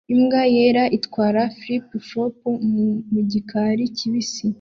Imbwa yera itwara flip-flop mu gikari kibisi